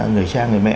người cha người mẹ